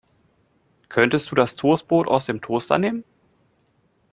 Könntest du das Toastbrot aus dem Toaster nehmen.